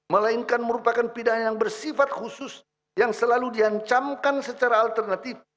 melainkan merupakan pidana yang bersifat khusus yang selalu diancamkan secara alternatif